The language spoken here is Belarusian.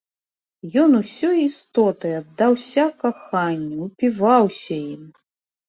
Ён усёй істотай аддаўся каханню, упіваўся ім.